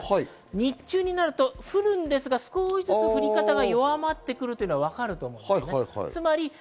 日中になると降るんですが、少しずつ降り方が弱まってくるのがわかると思います。